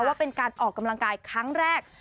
ว่าเป็นการออกกำลังกายครั้งแรก